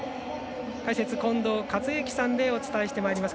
解説、近藤克之さんでお伝えしてまいります。